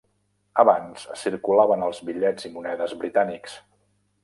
Abans circulaven els bitllets i monedes britànics.